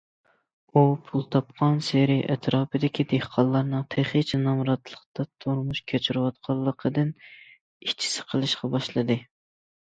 ئۇ پۇل تاپقانسېرى، ئەتراپىدىكى دېھقانلارنىڭ تېخىچە نامراتلىقتا تۇرمۇش كەچۈرۈۋاتقانلىقىدىن ئىچى سىقىلىشقا باشلىدى.